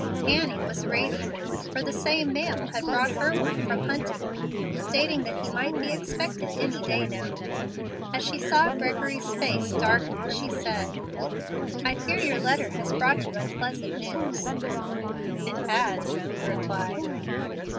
Annie was radiant, for the same mail had brought her one from Hunting, stating that he might be expected any day now. As she saw Gregory's face darken, she said, "I fear your letter has brought you unpleasant news." "It has," he replied.